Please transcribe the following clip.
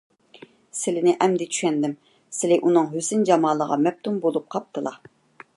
سىلىنى ئەمدى چۈشەندىم، سىلى ئۇنىڭ ھۆسن - جامالىغا مەپتۇن بولۇپ قاپتىلا.